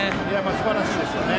すばらしいですよね。